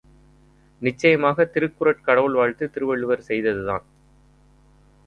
நிச்சயமாகத் திருக்குறட் கடவுள் வாழ்த்து திருவள்ளுவர் செய்ததுதான்.